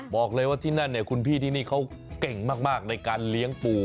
บอกเลยว่าที่นั่นเนี่ยคุณพี่ที่นี่เขาเก่งมากในการเลี้ยงปู